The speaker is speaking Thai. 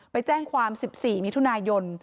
ไปแจ้งความ๑๔มิถุนายน